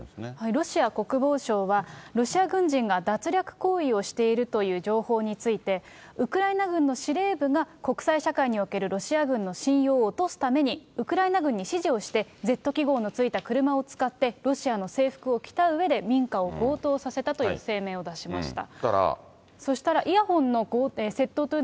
ロシア国防省は、ロシア軍人が略奪行為をしているという情報について、ウクライナ軍の司令部が国際社会におけるロシア軍の信用を落とすために、ウクライナ軍に指示をして、のついた車を使ってロシアの制服を着たうえで、民家を強盗させたという声明を出しました。